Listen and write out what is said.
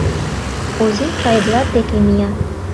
Озий Пайблат деке мия.